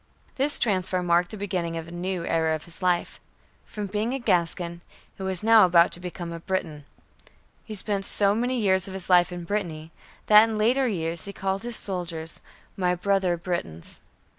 This transfer marked the beginning of a new era in his life. From being a Gascon, he was now about to become a Breton. He spent so many years of his life in Brittany, that in later years he called his soldiers "my brother Bretons."